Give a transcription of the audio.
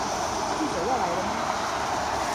記者要來了嗎